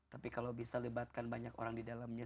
tapi kalau bisa lebatkan banyak orang di dalamnya